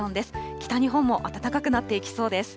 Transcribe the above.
北日本も暖かくなっていきそうです。